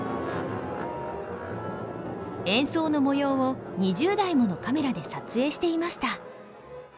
演奏の模様を２０台ものカメラで撮影していました。